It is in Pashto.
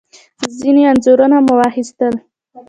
ځینې انځورونه مو واخیستل.